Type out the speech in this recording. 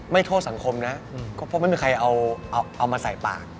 โทษสังคมนะก็เพราะไม่มีใครเอามาใส่ปาก